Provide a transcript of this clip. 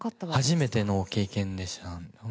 初めての経験でした。